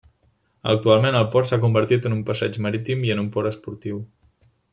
Actualment el port s'ha convertit en un passeig marítim i en un port esportiu.